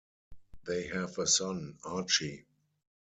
They have a son, Archie.